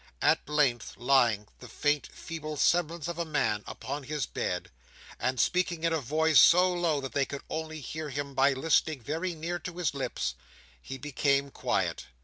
At length, lying, the faint feeble semblance of a man, upon his bed, and speaking in a voice so low that they could only hear him by listening very near to his lips, he became quiet.